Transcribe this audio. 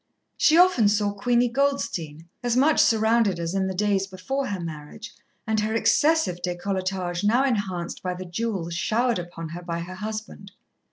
She often saw Queenie Goldstein, as much surrounded as in the days before her marriage, and her excessive décolletage now enhanced by the jewels showered upon her by her husband.